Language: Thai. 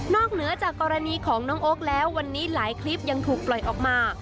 เหนือจากกรณีของน้องโอ๊คแล้ววันนี้หลายคลิปยังถูกปล่อยออกมา